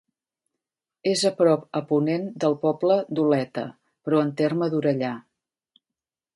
És a prop a ponent del poble d'Oleta, però en terme d'Orellà.